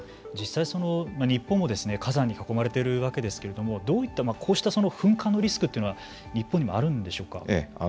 実際、日本も火山に囲まれているわけですけれどもこうした噴火のリスクは日本にもあるんでしょうか。